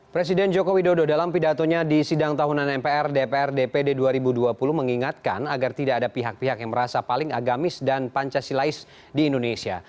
presiden joko widodo dalam pidatonya di sidang tahunan mpr dpr dpd dua ribu dua puluh mengingatkan agar tidak ada pihak pihak yang merasa paling agamis dan pancasilais di indonesia